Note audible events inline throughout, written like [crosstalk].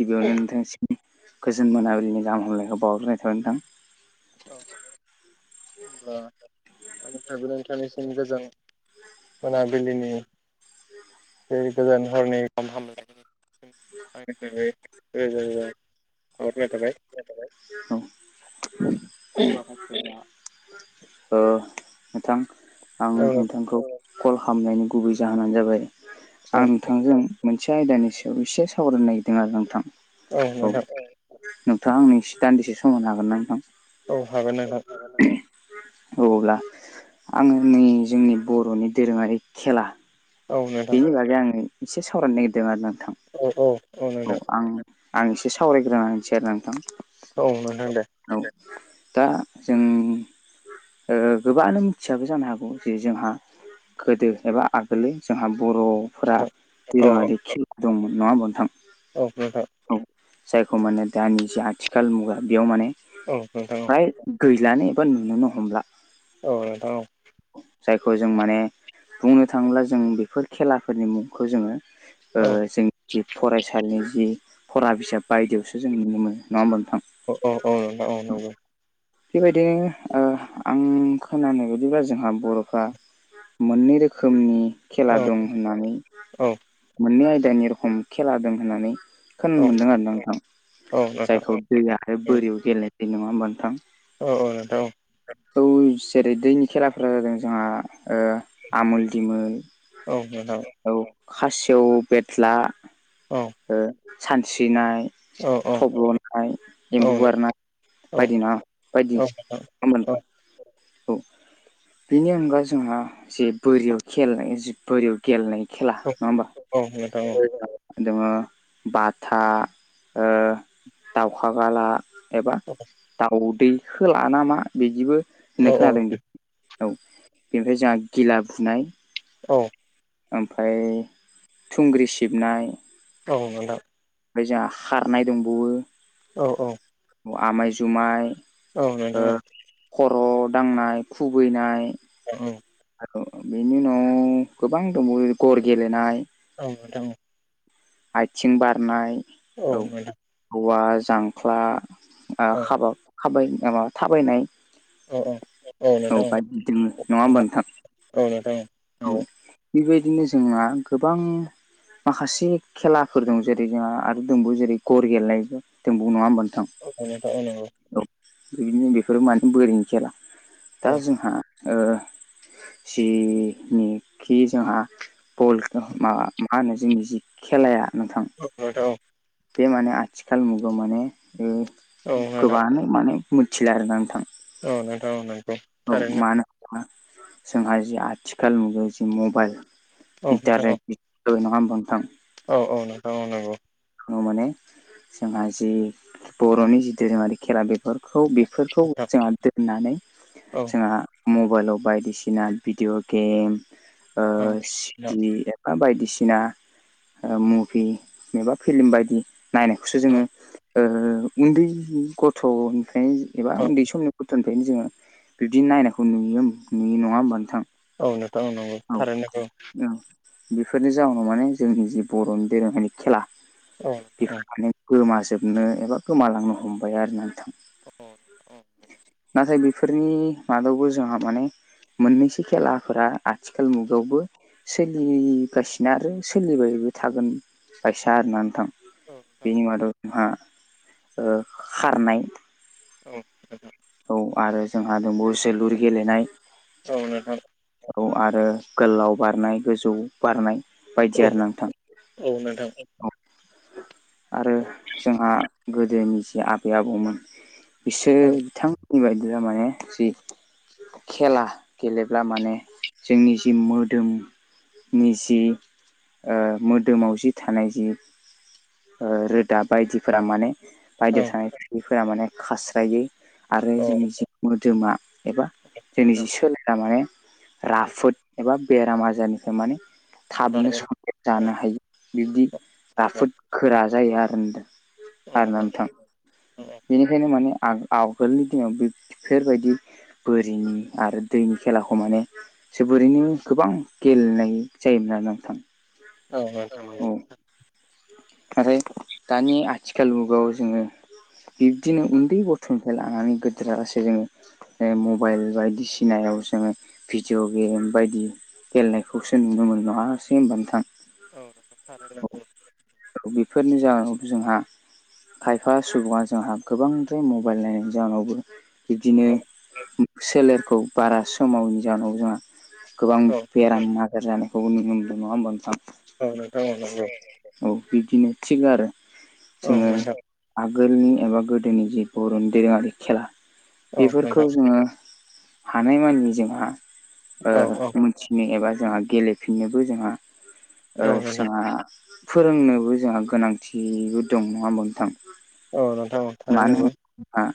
गिबियावनो नोंथांसि गोजोन मोनाबिलिनि नाम हामलायखौ बाव्रनाय थाबाय नोंथां। औ होनब्ला मं ट्राइबोेल इन्टारनेसेल गोजां मोनाबिलिनि बे गोजान हरनि हामलायनायखौ [unintelligible] [unintelligible] नोंथां आं औ नोंथांखौ कल खालामनायनि गुबै जाहोनानो जाबाय आं औ नोंथांजों। मोनसे आयदानि सायाव एसे सावरायनो नागिरदों आरो नोंथां। औ नोंथां। नोंथाङा आंनि एसे दान्दिसे समावनो हागोन ना नोंथां। औ हागोन नोंथां। अब्ला आङो नै जोंनि बर'नि दोरोङारि खेला औ नोंथां बेनि बागै आङो एसे सावरायनो नागिरदों आरो नोंथां औ औ नोंथां औ आं। आं एसे सावरायग्रोनो होनसै आरो नोंथां। औ नोंथां दे औ दा जों गोबाङानो मिथियाबो जानो हागौ जे जोंहा गोदो एबा आगोलनि जोंहा बर'फोरा नोंथां औ दोरोङारि खेल दंमोन नङा होमबा नोंथां औ नोंथां। औ जायखौ माने दानि ज आथिखाल मुगा बेयाव माने औ नोंथां फ्राय गैलानो एबा नुुनोनो हमला औ नोंथां औ। जायखौ जों माने बुंनो थाङोब्ला जों बेफोर खेलाफोरनि मुंखौ जोङो औ जों जि फरायसालिनि जि फरा बिजाब बायदियावसो जों नुनो मोनो नङा होमबा नोंथां। अ औ औ ना नंगौ बेबायदिनो आं खोनानाय बायदिब्ला जोंहा बर'फ्रा मोननै रोखोमनि खेला औ दं होननानै औ मोननै आयदानि रोखम खेला दं होननानै खोनानो औ मोन्दों आर ना नोंथां औ नोंथां जायखौ दैयाहाय बोरियाव गेलेनायस नङा होमबा नोंथां। औ औ नोंथां औ जेरै दैनि खेलाफोरा जादों जोंहा आमुल दिमोल औ नोंथां। औ खासेव बेथला ओ सानस्रिनाय औ औ लनाय एम्बु बारनाय बायदि ना बायदि औ बेनि अनगा जोंहा जे बोरियाव खेलनाय बोरियाव गेलेनाय खेला नङा औ औ नोंथां औ होमबा दोङो बाथा दाउखा गाला एबा औ दाउदैखोला नामा बिदिबो होननाय औ खोनादों बे औ बेनिफ्राय जोंहा गिला बुनाय औ ओमफ्राय थुंग्रि सिबनाय औ नोंथां ओमफ्राय जोंहा खारनाय दंबावो औ औ आमाइ जुमाय औ ओ नोंथां खर' दांनाय खुबैनाय औ आरो बेनि उनाव गोबां दंबावो गर गेलेनाय औ नोंथां औ आइथिं बारनाय औ औवा जांख्ला बाखाबाय माबा थाबायनाय औ औ औ नोंथां बायदि दोङो नङा होमबा नोंथां औ नोंथां औ नंगौ बेबायदिनो जोंहा गोबां माखासे खेलाफोर दं जेरै जोंहा आरो दोंबौवो जेरै गर गेलेनाय दोंबौ नङा होमबा नोंथां औ नोंथां औ नंगौ औ बेबायदिनो बेफोरो माने बोरैनि खेला औ दा जोंहा ओ सि निखि जोंहा बल मा मा होनो जोंनि जि खेलाया नोंथां [unintelligible] बे माने आथिखाल मुगायाव माने गोबाङानो माने मोनथिला आरो ना नोंथां औ नोंथां नंगौ औ थारैनो मानो जोंहा जि आथिखाल मुगायाव जि मबाइल औ नोंथां इटारनेेटनि नङा होमबा नोंथां औ औ नोंथां औ नंगौ औ माने जोंहा जि बर'नि जि दोरोंङारि खेला बेफोर खौ बेफोरखौ नोंथां जोंहा दोननानै औ जोंहा मबाइलाव बायदिसिना भिडिअ गेम औ नोंथां सिदनि बा बायदिसिना मुभि फिलम बायदि नायनायखौसो औ जोङो उन्दै गथ'निफ्रायनो एबा औ उन्दै समनि गथ'निफ्रायनो जोङो बिबदि नायखौ नुयो नुयो नङा होनबा नोंथां औ नोंथां औ नंगौ औ औ बेफोरनि जाउनाव माने जोंनि जि बर'नि दोरोङारि खेला औ बेफोर मान गोमाजोबनो एबा गोमालांनो हमबाय आरो ना नोंथां औ नाथाय बेफोरनि मादावबो जोंहा माने मोननैसो खेलाफोरा आथिखाल मुगायावबो सोलिगासिनो आरो सोलिबायबो थागोन बायसा आरोना नोंथां नोंथां बेनि मादाव जोंहा खारनाय औ [unintelligible] औ आरो जोंहा दंबावो जोलुर गेलेनाय औ नोंथां औ आरो गोलाव बारनाय गोजौ बारनाय औ बायदि आरो नोंथां औ नोंथां आरो जोंहा गोदोनि जिे आबै आबौमोन बिसोर औ बिथां बेबायदिनो माने सि खेला गेलेब्ला माने जोंनि जि मोदोम नि जि ओ मोदोमाव जि थानाय जि रोदा बायदिफोरा माने औ बायद' थानाय खुख्रिफोरा माने खास्रायै आरो औ जोंनि जि मोदोमा एबा जोंनि नोंथां जि सोलाया माने औ राफोद एबा बेराम आजारनिफ्राय माने थाबनो बारगोन संनानै औ जानो हायो बिदि राफोद गोरा जायो आरो ना उम उम बेनिखायनो माने आगोलनि दिनावफोरबायदि बोरिनि आरो दैनि खेलाखौ माने जोबोरैनो गोबां गेलेनाय जायोमोन आरो नोंथां औ नोंथां औ आरोथाय दानि आथिखाल मुगाव जोङो बिब्दिनो औ उन्दै गथ' थुफ्रायाइ लानानै गोदोरालासे जोङो मबाइल बायदिसिनायाव जोङो भिडिअ गेम बायदि गेलेनायखौसो नुनो मोनदोंं आरोसै होनबा नोंथां औ नोंथां नंगौ औ बेफोरनि जाहोनाव जोंहा खायफा सुबुङा जोंहा गोबांद्राय मबाइल नायनायनि जाहोनावबो बिदिनो सेलेरखौ बारा समावनि जउनाव जोंहा गोबां औ बेराम आदार जानायखौ नुनोदों नङा होमबा नोंथां? औ नोंथां औ नंगौ औ बिदिनो थिग आरो औ जोङो नोंथां आगोलनि एबा गोदोनि जि बर'नि दोरोङारि खेला औ बेफोरखौ नोंथां जोङो हानाय मानि जोंहा औ औ मोनथिनो एबा जोंहा गेलेफिननोबो जोंहा नोंथां जोंहा फोरोंनोबो जोंहा गोनांथिबो दं नङा होमबा नोंथां औ नोंथां थारैनो नांगौ। आ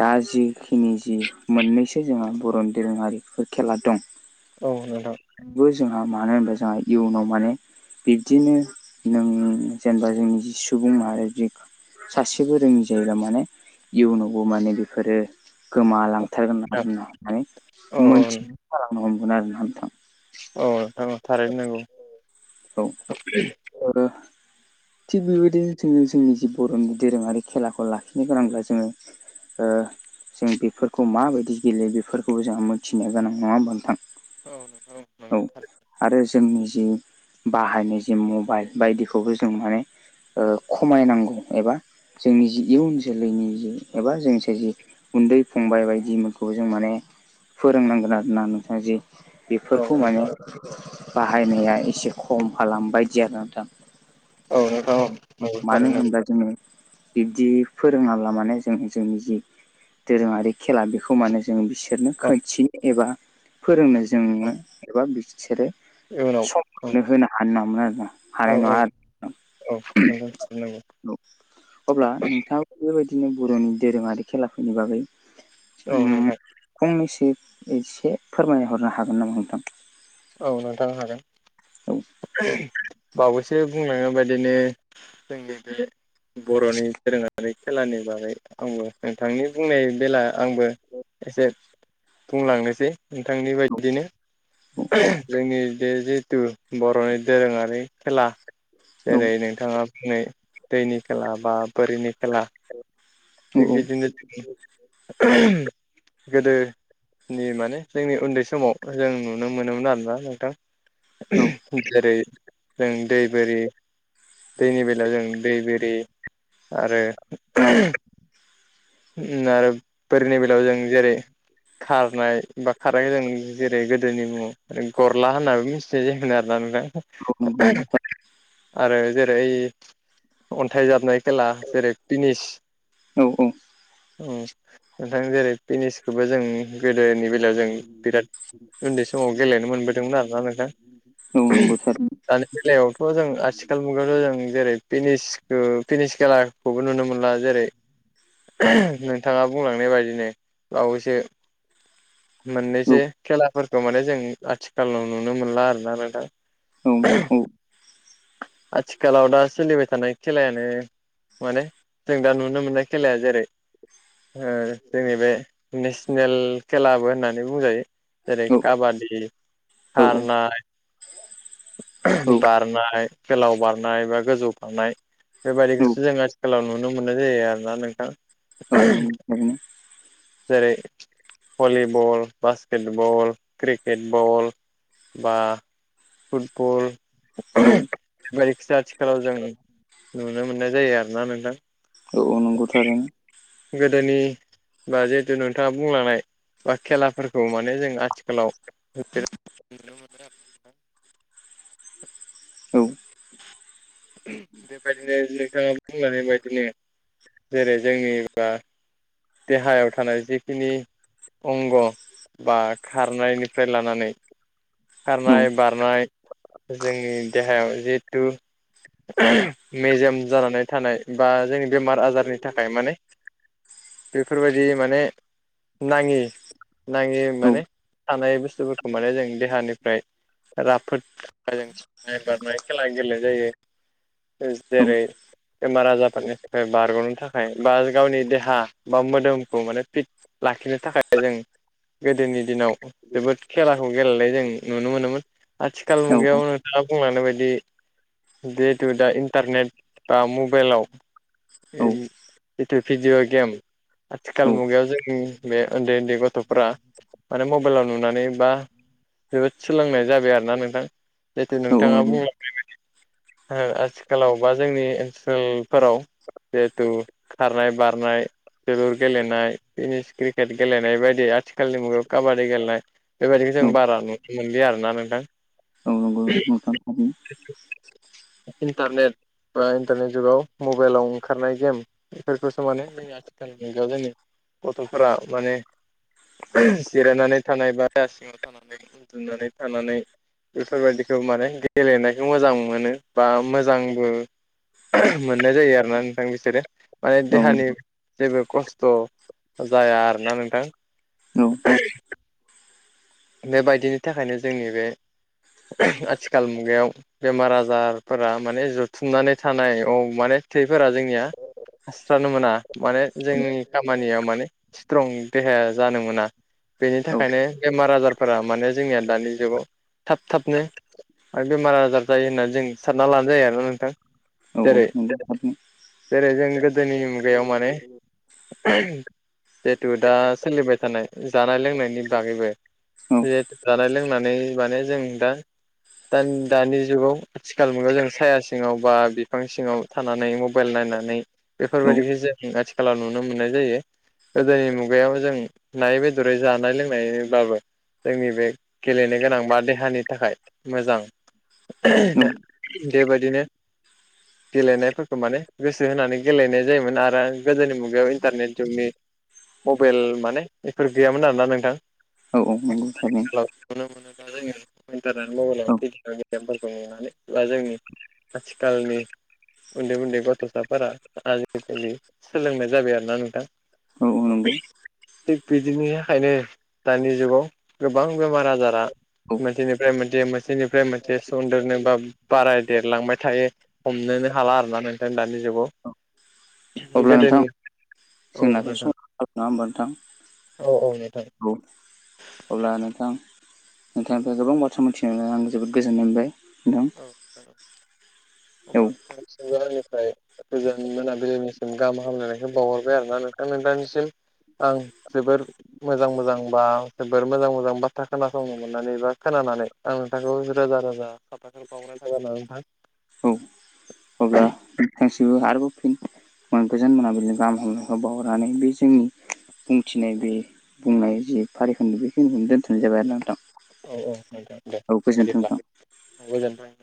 दा जिखिनि जि मोननैसो जोंहा बर' दोरोङारिफोर खेला दं औ नोंथां। बो‌ जोंहा मानो होनबा जोंहा इयुनाव माने बिब्दिनो नों जेनेबा जोंनि जि सुबुं माहारि बे सासेबो रोङि जायोब्ला माने इयुनावबो माने बेफोरो औ गोमालांथारगोन आरोना होननानै औ मोनथि खालामालनो हमगोन आरो ना नोंथां अ थारैनो नांगौ औ थिग बेबायदिनो जोङो जोंनि जि बर'नि दोरोङारि खेलाखौ लाखिनो गोनांब्ला जोङो जों बेफोरखौ माबायदि गेलेयो बेफोरखौबो जोंहा मोनथिनो गोनां नङा होमबा नोंथां। औनो औ औ नंगौ थारै आरो जोंनि जि बाहायनाय जि मबाइल बायदिखौबो जों माने खमायनांगौ एबा जोंनि जि इयुन जोलैनि जि एबा जोंनिसे जि गुन्दै फंबाय बायदिखौ जों माने फोरोंनांगोन आरोना नोंथाङा जे औ बे खौ माने बाहायनाया एसे खम खालामबायायदि आरोना दा औ नोंथां औ नंगौ मानि थारैनो नंगौ होमब्ला जोंनि बिब्दि फोरोङाब्ला माने जों जोंनि जि दोरोङारि खेला बेखौ माने जों बिसि बिसोरनो औ खोनथिनो एबा फोरोंनो जोङो एबा बिसोरो इयुनाव नो औ होनो हानो नामोन आरोना औ हानाय औ नङा औ नोंथां थारैनो नंगौ आरो अब्ला नोंथाङा बेबायदिनो बर'नि दोरोंङारि खेलाफोरनि बागै औ नोंथां फंनैसो एसे फोरमायहरनो हागोन नामा नोंथां औ नोंथांनो हागोन औ बावैसो बुंलांनाय बादिनो जोंनि बे बर'नि दोरोङारि खेलानि बागै आंबो नोंथांनि बुंनाय बेला आंबो एसे बुंलांनोसै नोंथांनि बायदिनो जोंनि बे जिथु बर'नि दोरोंङारि खेला औ जेरै नों बिथांङा बुंनाय दैनि खेला बा बोरिनि खेला औ [unintelligible] गोदोनि माने जोंनि उन्दै समाव जों नुनो मोनोमोन आरोना नोंथां औ जेरै जों दै बोरि दैनि बेलायाव जों दै बोरि आरो आरो बोरनि बेलायाव जों जेरै खारनाय बा खारनायखौ जों जेरै गोदोनि मुंङाव गरला होनाबो मिथि एसे जखो आरोना नोंथां [inaudible] आरो जेरै अन्थाइ जाबनाय खेला जेरै टेनिस औ नोंथां जेरै पिनिसखौबो जों गोदोनि बे ज जों बिराद उन्दै समाव गेलेनो मोनबोदोंमोन आरोना नोंथां औ नंगौ सार दानै बेलायावथ' जों आथिखाल मुगायावथ' जों जेरै पिनिसखौ पिनिस खेलाखौबो नुनो मोनला जेरै [inaudible] नोंथांङा बुंलांनाय बायदिनो बावैसो औ मोननैसो खेलाफोरखौ माने जों आथिखालाव नुनो मोनला आरोना नोंथां औ औ आथिखालाव दा सोलिबाय थानाय खेलायानो माने जों दा नुनो मोननाय खेलाया जेरै जोंनि बे नेसनेल खेलाबो होननानै बुंजायो। जेरै औ काबादि औ खारनाय बारनाय गोलाव बारनाय बा गोजौ बारनाय बेबायदिखौसो जोंङो गोलाव नुनो मोनो जायो आरोना नोंथां औ [unintelligible] जेरै volleyball basketball cricket ball बा फुटबल औ बायदिखिजाया आथिखालाव जों नुनो मोननाय जायो आरोना नोंथां औ नंगौ थारैनो गोदोनि बा जिहेथु नोंथांङा बुंलांनाय बा खेलाफोरखौ माने जों आथिखालाव औ बेबायदिनो नोंथांङा बुंनाय बायदिनो जेरै जोंनि बा देहायाव थानाय जिखिनि अंग बा खारनायनिफ्राय लानानै औ खारनाय बारनाय जोंनि देहायाव जिहेथु मेजेम जानानै थानाय बा जोंनि बेमार आजारनि थाखाय माने बेफोरबायदि माने नांङि नांङि औ माने थानाय बुस्थुफोरखौ माने जों देहानिफ्राय राफोदाजों नाय बारनाय खेला गेलेनाय जायो। जेरै बेमार आजारफोरनिफ्राय बारगनो थाखाय बा गावनि देहा बा मोदोमखौ माने फिट लाखिनो थाखाय जों गोदोनि दिनाव जोबोद खेलाखौ गेलेनाय जों नुनो मोनोमोन। आथिखाल औ मुगायाव नोंथाङा बुंलांनाय बायदि जिहेतु दा इन्टारनेट बा मबाइलाव जिथु भिडिअ गेम आथिखाल औ मुगायाव जों बे उन्दै उन्दै गथ'फोरा माने मबाइलाव नुनानै बा जोबोद सोलोंनाय जाबाय आरोना नोंथां जिथु औ नोंथाङा नंगौ बुंलांनाय आथिखालाव बा जोंनि ओनसोलफोराव जिहेथु खारनाय बारनाय जोलुर गेलेनाय टेनिस क्रिकेट गेलेनाय बायदि आथिखालनि मुगायाव काबादि गेलेनाय बेबायदिखौ जों औ बारा नुनो मोनलि आरोना नोंथां [unintelligible] इन्टारनेट बा इन्टारनेट जुगाव मबाइलाव ओंखारनाय गेम बेफोरखौसो माने जोंनिया [unintelligible] मुगायाव जोंनि गथ'फोरा माने जिरायनानै थानाय बा सिङाव थानाय उन्दुनानै थानानै बेफोरबायाददिखौ माने गेलेनायखौ मोजां मोनो। बा मोजांबो मोननाय जायो आरोना नोंथां बिसोरो माने औ देहानि जेबो खस्थ जाया आरोना नोंथां औ बेबायदिनि थाखायनो जोंनि बे आथिखाल मुगायाव बेमार आजारफोरा माने जुथुमनानै थानाय औ माने थैफोरा जोंनिया खारस्रानो मोना माने जोंनि खामानियाव माने स्ट्रं देहाया जानो मोना बेनि औ थाखायनो बेमार आजारफोरा माने जोंनिया दानि जुगाव थाब थाबनो आरो बेमार आजार जायो होननानै जों सानना लानाय जायो आरोना नोंथां जेरै [unintelligible] जेरै जों गोदोनि मुगायाव माने जिहेतु दा सोलिबाय थानाय जानाय लोंनायनि बागैबो औ जिहेथु जानाय लोंनानै माने जों दा दा दानि जुगाव आथिखाल मुगायाव जों साया सिङाव बा बिफां सिङाव थानानै मबाइल नायनानै औ बेफोरबायदिखौ जों आथिखालाव नुनो मोननाय जायो। गोदोनि मुगायाव जों नायै बेदरै जानाय लोंनायनिब्लाबो जोंनि बे गेलेनो गोनां बा देहानि थाखाय मोजां बेबायदिनो [inaudible] गेलेनायफोरखौ माने गोसो होनानै गेलेनाय जायोमोन आरो गोदोनि मुगायाव इन्टारनेट जुगनि मबाइल माने गफोर गैयामोन आरोना नोंथां औ औ नंगौ थारैनो [unintelligible] [inaudible] गन्टारनेट मबाइलाव औ भिडिअ गेमफोरखौ नुनानै बा जोंनि आथिखालनि उन्दै उन्दै गथ'साफोरा आजिखालि सोलोंनाय जाबाय आरो ना नोंथां औ औ नंगौ थिग बिदिनि थाखायनो दानि जुगाव गोबां बेमार आजारा औ मोनसेनिफ्राय मोनसे मोनसेनिफ्राय मोनसे सुन्देरनो बा बाराय देरलांबाय थायो हमनोनो हाला आरोना नोंखायनो दानि जुगाव अब्ला नोंथां गोदोनि औ जोंनाथ नोंथां समा जाबाय नङा होमबा नोंथां औ औ नोंथां औ अब्ला नोंथां नोंथांनिफ्राय गोबां बाथ्रा मिथिनानै आं जोबोद गोजोननाय मोनबाय दं। [unintelligible] गोजान मोनाबिलिनिसिम गाहाम हामलायनायखौ बावहरबाय आरो ना नोंथांमोनथांनिसिम। आं जोबोर मोजां मोजां बा जोबोर मोजां मोजां बाथ्रा खोनासंनो मोननानै बा खोनानानै। आं नोंथांखौ रोजा रोजा साफााख बाव्रनायोना नोंथां। औ अब्ला। जबो आरोब फिन गोजान मोनाबिनो गाहाम हाम बावरनानै बे जोंनि बुंथिनाय बे बुंनाय जि फारिखान्नि बेखिनिखौनो दोनथ'नाय जाबाय आरो नोंथां। औ औ नोंथां दे औ गोजोन्थों नोंथां बुजिब्ला औ गोजोन्थों।